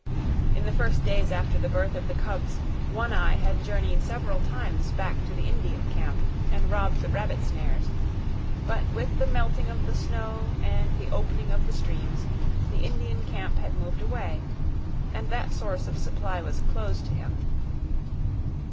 In the first days after the birth of the cubs, One Eye had journeyed several times back to the Indian camp and robbed the rabbit snares; but, with the melting of the snow and the opening of the streams, the Indian camp had moved away, and that source of supply was closed to him.